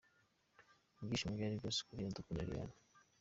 Ibyishimo byari byose kuri Iradukunda Liliane.